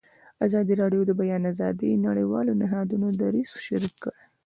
ازادي راډیو د د بیان آزادي د نړیوالو نهادونو دریځ شریک کړی.